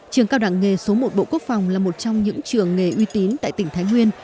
trường cao đẳng nghề số một bộ quốc phòng là một trong những trường nghề uy tín tại tỉnh thái nguyên